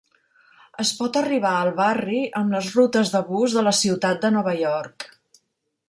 Es pot arribar al barri amb les rutes de bus de la ciutat de Nova York.